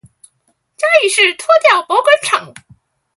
嘉義市拖吊保管場